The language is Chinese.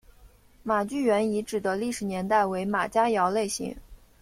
马聚垣遗址的历史年代为马家窑类型。